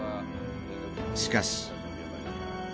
しかし。